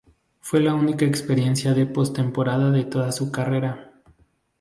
Fue la única experiencia de postemporada de toda su carrera.